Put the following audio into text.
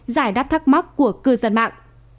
giải đáp thắc mắc của cư dân mạng